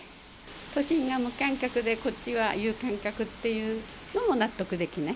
都心が無観客で、こっちは有観客っていうのも納得できない。